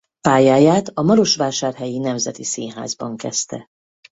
Pályáját a Marosvásárhelyi Nemzeti Színházban kezdte.